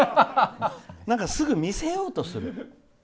何かすぐに見せようとする。